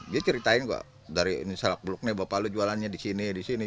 dia ceritain kok dari selak beluknya bapak lo jualannya disini disini